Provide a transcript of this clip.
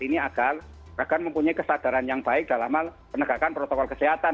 ini agar mempunyai kesadaran yang baik dalam hal penegakan protokol kesehatan